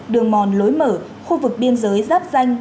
đường mòn lối mở khu vực biên giới giáp danh